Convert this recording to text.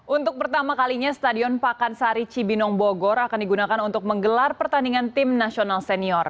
untuk pertama kalinya stadion pakansari cibinong bogor akan digunakan untuk menggelar pertandingan tim nasional senior